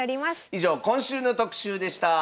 以上今週の特集でした。